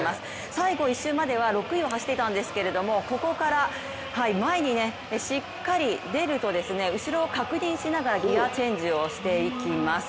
最後１周までは６位を走っていたんですけれどもここから前にしっかり出ると後ろを確認しながらギヤチェンジをしていきます。